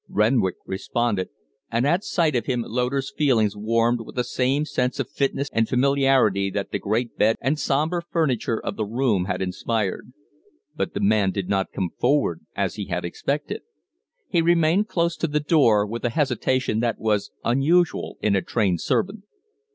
Renwick responded, and at sight of him Loder's feelings warmed with the same sense of fitness and familiarity that the great bed and sombre furniture of the room had inspired. But the man did not come forward as he had expected. He remained close to the door with a hesitation that was unusual in a trained servant.